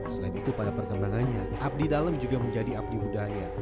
selain itu pada perkembangannya abdi dalam juga menjadi abdi budaya